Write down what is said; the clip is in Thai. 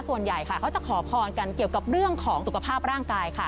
ส่วนใหญ่ค่ะเขาจะขอพรกันเกี่ยวกับเรื่องของสุขภาพร่างกายค่ะ